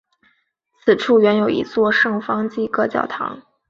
此处原有一座圣方济各教堂。